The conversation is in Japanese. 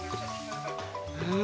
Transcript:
うん！